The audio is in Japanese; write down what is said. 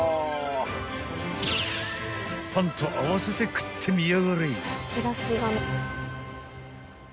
［パンと合わせて食ってみやがれ］